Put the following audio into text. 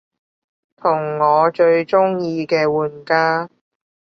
同我最鍾意嘅玩家